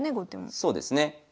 そうですね。